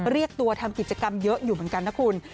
เรียกตัวทำกิจกรรมเยอะอยู่เหมือนกันนะคุณ